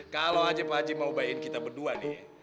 kalau aja pak haji mau bayarin kita berdua nih